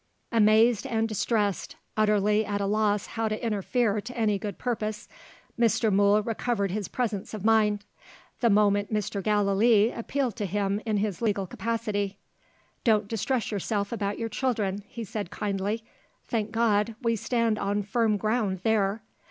Amazed and distressed utterly at a loss how to interfere to any good purpose Mr. Mool recovered his presence of mind, the moment Mr. Gallilee appealed to him in his legal capacity. "Don't distress yourself about your children," he said kindly. "Thank God, we stand on firm ground, there."